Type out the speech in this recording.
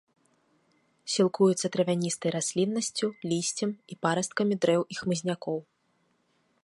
Сілкуецца травяністай расліннасцю, лісцем і парасткамі дрэў і хмызнякоў.